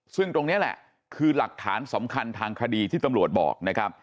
ซึ่งตรงนี้แหละคือหลักฐานสำคัญทางคดีที่ตำรวจบอกนะครับ